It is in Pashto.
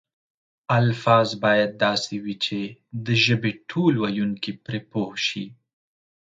الفاظ باید داسې وي چې د ژبې ټول ویونکي پرې پوه شي.